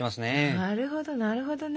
なるほどなるほどね！